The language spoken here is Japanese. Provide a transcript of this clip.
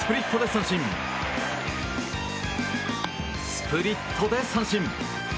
スプリットで三振。